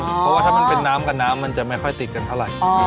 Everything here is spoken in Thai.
เพราะว่าถ้ามันเป็นน้ำกับน้ำมันจะไม่ค่อยติดกันเท่าไหร่